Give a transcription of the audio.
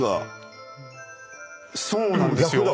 そうなんですよ。